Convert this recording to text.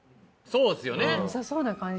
そうですね。